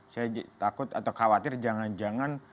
saya takut atau khawatir jangan jangan